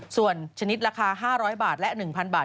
ส่วนชนิดราคา๕๐๐บาทและ๑๐๐บาท